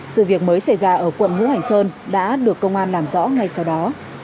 sự việc mới xảy ra ở quận ngũ hành sơn đã được công an làm rõ ngay sau đó